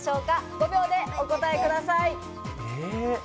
５秒でお答えください。